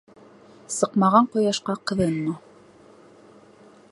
Сыҡмаған ҡояшҡа ҡыҙынма.